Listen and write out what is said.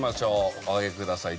お上げください。